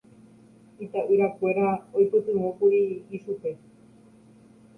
Ita'yrakuéra oipytyvõkuri ichupe